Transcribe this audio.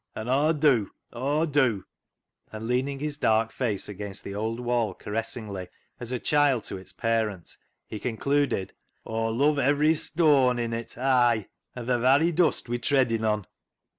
An' Aw dew ! Aw dew !" And, leaning his dark face against the old wall caressingly, as a child to its parent, he concluded —" Aw love every stoaan in it, ay, an' th' varry dust we're treidin' on."